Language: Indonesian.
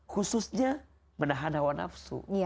khususnya menahan hawa nafsu